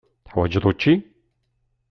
Teḥwaǧeḍ učči?